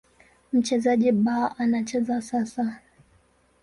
Mchezaji B anacheza sasa.